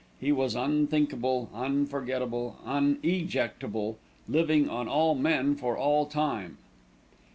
He was unthinkable, unforgettable, unejectable, living on all men for all time.